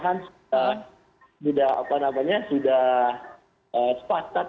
katanya dewan pengupahan sudah sepatat